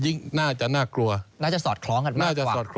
ยิ่งน่าจะน่ากลัวน่าจะสอดคล้องกันมากกว่า